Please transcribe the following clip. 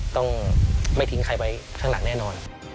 ต้องไม่ทิ้งใครไว้ข้างหลังแน่นอน